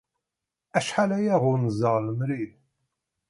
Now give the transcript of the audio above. Acḥal aya ɣunzaɣ lemri.